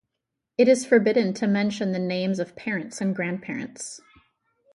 It is forbidden to mention the names of parents and grandparents.